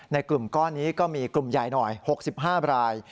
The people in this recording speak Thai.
ในกลุ่มก้อนนี้ก็มีกลุ่มใหญ่หน่อย๖๕ราย